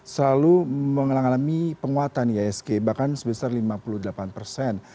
selalu mengalami penguatan iasg bahkan sebesar lima puluh delapan persen